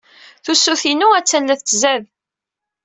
Tusut-inu attan la tettzad.